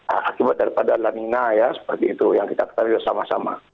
akibat daripada lanina ya seperti itu yang kita ketahui bersama sama